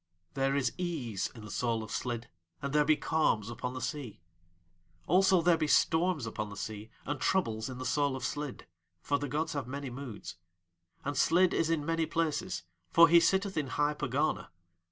There is ease in the soul of Slid and there be calms upon the sea; also, there be storms upon the sea and troubles in the soul of Slid, for the gods have many moods. And Slid is in many places, for he sitteth in high Pegana.